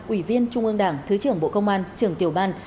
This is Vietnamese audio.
ủy viên trung ương đảng thứ trưởng bộ công an trưởng tiểu ban